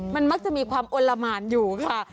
มันมักจะมีความอลละหมานอยู่ค่ะ